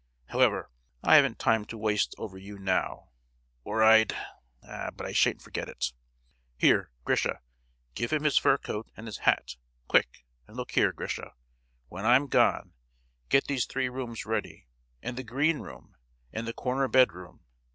However, I haven't time to waste over you now, or I'd——but I sha'n't forget it. Here, Grisha, give him his fur coat and his hat—quick; and look here, Grisha, when I'm gone, get these three rooms ready, and the green room, and the corner bedroom.